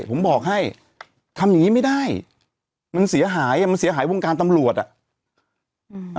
ผมบอกให้ทำอย่างงี้ไม่ได้มันเสียหายอ่ะมันเสียหายวงการตำรวจอ่ะอืม